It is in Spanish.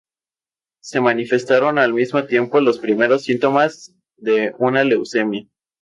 Se manifestaron al mismo tiempo los primeros síntomas de una leucemia.